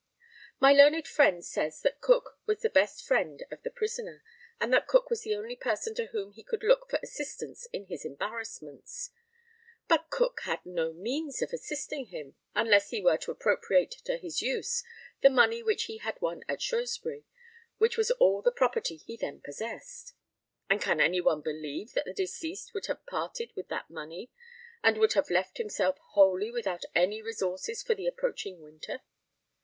My learned friend says that Cook was the best friend of the prisoner, and that Cook was the only person to whom he could look for assistance in his embarrassments. But Cook had no means of assisting him, unless he were to appropriate to his use the money which he had won at Shrewsbury, which was all the property he then possessed; and can any one believe that the deceased would have parted with that money, and would have left himself wholly without any resources for the approaching winter?